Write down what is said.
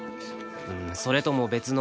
うーんそれとも別の